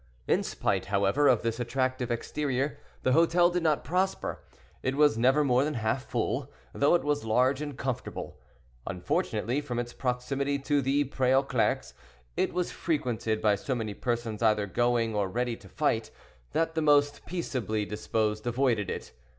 In spite, however, of this attractive exterior, the hotel did not prosper—it was never more than half full, though it was large and comfortable. Unfortunately, from its proximity to the Pre aux Clercs, it was frequented by so many persons either going or ready to fight, that those more peaceably disposed avoided it.